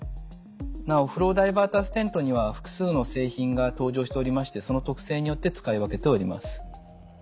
なおフローダイバーターステントには複数の製品が登場しておりましてその特性によって使い分けております。